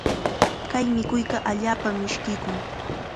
Kay mikuyqa allaapam mishkiykun.